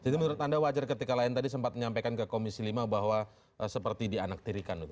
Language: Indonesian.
jadi menurut anda wajar ketika lion tadi sempat menyampaikan ke komisi lima bahwa seperti dianaktirikan